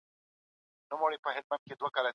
د ګوندونو اړيکي بايد خرابي نسي.